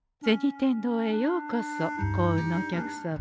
天堂へようこそ幸運のお客様。